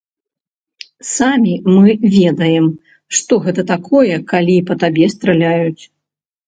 Самі мы ведаем, што гэта такое, калі па табе страляюць.